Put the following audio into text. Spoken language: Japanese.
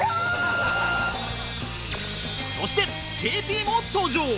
そして ＪＰ も登場！